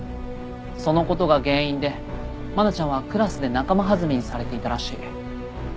そのことが原因で愛菜ちゃんはクラスで仲間外れにされていたらしい。